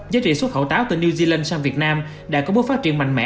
giá trị xuất khẩu táo từ new zealand sang việt nam đã có bước phát triển mạnh mẽ